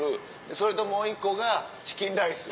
それともう１個がチキンライス。